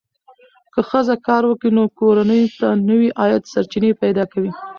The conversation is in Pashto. که ښځه کار وکړي، نو کورنۍ ته نوې عاید سرچینې پیدا کوي.